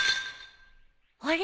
あれ？